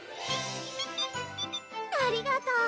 ありがとう。